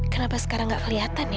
kenapa sekarang gak keliatan ya